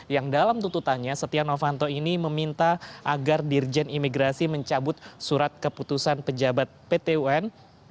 yang dalam tuntutannya setia novanto ini meminta agar dirjen imigrasi mencabut surat keputusan pejabat pt un